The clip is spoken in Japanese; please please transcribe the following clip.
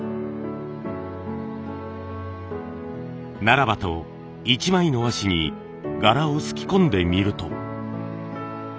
ならばと１枚の和紙に柄をすき込んでみると。